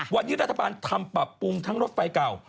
วันนี้รัฐบาลทำปรับปรุงทั้งรถไฟเก่า